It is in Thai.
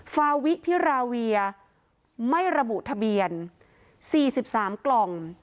ฟาวิพิราเวียไม่ระบุทะเบียน๔๓กล่อง